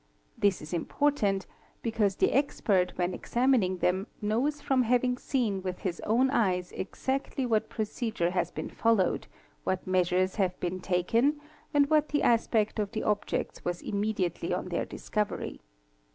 This is important because the expert, when examining them, knows from having seen with his own eyes exactly what procedure has been followed, what measures have been taken, and what the aspect of the objects was immediately on their discovery.